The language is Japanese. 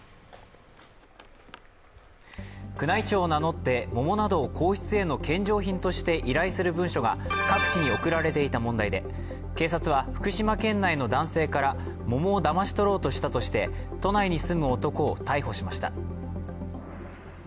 宮内庁を名乗って桃などを皇室への献上品として依頼する文書が各地に送られていた問題で警察は福島県内の男性から桃をだまし取ろうとしたとして都内に住む男を逮捕しました。